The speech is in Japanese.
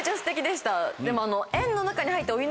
でも。